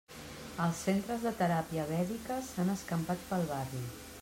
Els centres de teràpia vèdica s'han escampat pel barri.